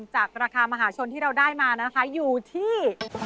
จากราคามหาชนที่เราได้มานะคะอยู่ที่